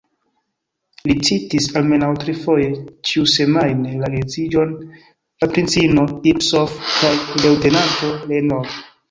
Li citis, almenaŭ trifoje ĉiusemajne, la geedziĝon de princino Ipsof kaj leŭtenanto Reinauld.